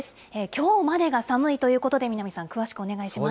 きょうまでが寒いということで、南さん、詳しくお願いします。